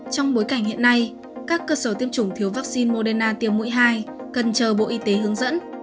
trong bối cảnh hiện nay các cơ sở tiêm chủng thiếu vaccine moderna tiêm mũi hai cần chờ bộ y tế hướng dẫn